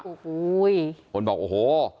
โอ้โห้ยมันบอกโอ้โห